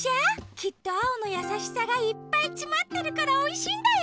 きっとアオのやさしさがいっぱいつまってるからおいしいんだよ！